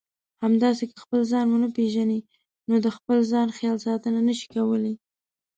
همداسې که خپل ځان ونه پېژنئ نو د خپل ځان خیال ساتنه نشئ کولای.